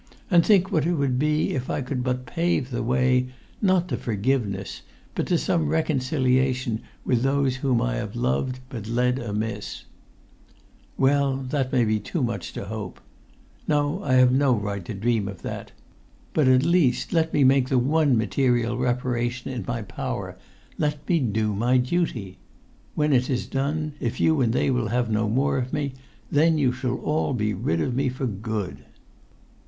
And think what it would be if I could but pave the way, not to forgiveness, but to some reconciliation with those whom I have loved but led amiss ... Well, that may be too much to hope ... no, I have no right to dream of that ... but at least let me make the one material reparation[Pg 97] in my power; let me do my duty! When it is done, if you and they will have no more of me, then you shall all be rid of me for good."